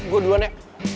gue duluan ya